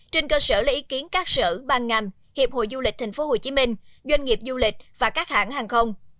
trên cơ sở lấy ý kiến các sở ban ngành hiệp hội du lịch tp hcm doanh nghiệp du lịch và các hãng hàng không